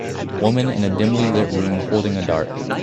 Woman in a dimly lit room holding a dart